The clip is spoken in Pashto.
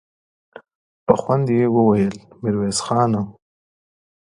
په خوند يې وويل: ميرويس خانه!